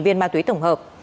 bốn viên ma túy tổng hợp